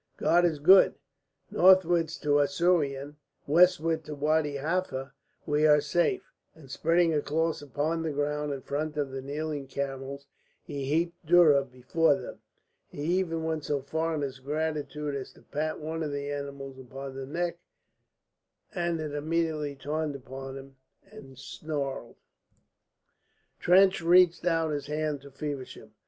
"God is good. Northwards to Assouan, westwards to Wadi Halfa, we are safe!" And spreading a cloth upon the ground in front of the kneeling camels, he heaped dhurra before them. He even went so far in his gratitude as to pat one of the animals upon the neck, and it immediately turned upon him and snarled. Trench reached out his hand to Feversham.